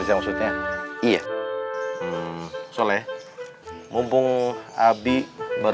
aulah bubar bubar